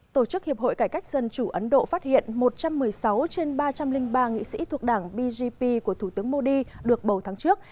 tổ chức hiệp hội cải cách dân chủ ấn độ phát hiện một trăm một mươi sáu trên ba trăm linh ba nghị sĩ thuộc đảng bgp của thủ tướng modi được bầu tháng trước